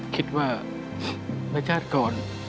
คิดว่าในชาติก่อน